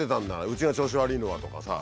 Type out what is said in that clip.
うちが調子悪いのは」とかさ。